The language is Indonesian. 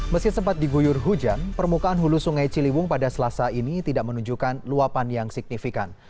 meski sempat diguyur hujan permukaan hulu sungai ciliwung pada selasa ini tidak menunjukkan luapan yang signifikan